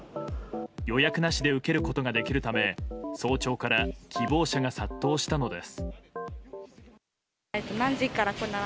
予約なしで受けることができるため早朝から希望者が殺到したのです。